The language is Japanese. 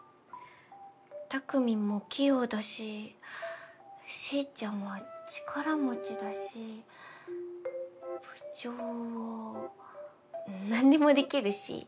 たくみんも器用だししーちゃんは力持ちだし部長はなんでもできるし。